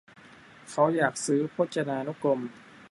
เขาอยากซื้อพจนานุกรม